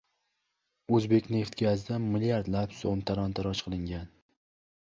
"O‘zbekneftgaz"da milliardlab so‘m talon-toroj qilingan